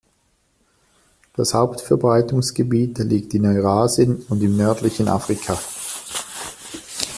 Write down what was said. Das Hauptverbreitungsgebiet liegt in Eurasien und im nördlichen Afrika.